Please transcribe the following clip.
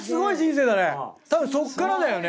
たぶんそっからだよね。